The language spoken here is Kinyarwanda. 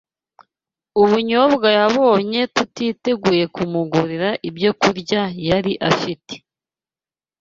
ubunyobwa yabonye tutiteguye kumugurira ibyokurya yari afite